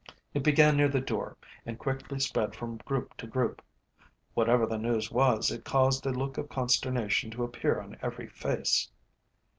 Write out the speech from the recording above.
It began near the door, and quickly spread from group to group. Whatever the news was, it caused a look of consternation to appear on every face.